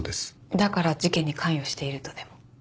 だから事件に関与しているとでも？